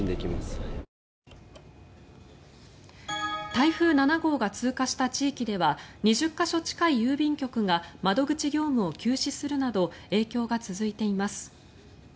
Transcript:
台風７号が通過した地域では２０か所近い郵便局が窓口業務を休止するなど影響が続いています。